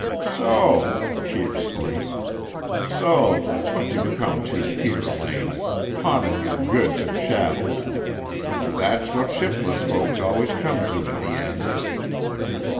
"So!" she exclaimed. "So that's what you've come to, Peter Lane! Pawnin' your goods and chattels! That's what shiftless folks always come to in the end."